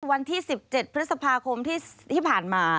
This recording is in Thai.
วันที่๑๗พฤษภาคมที่ผ่านมา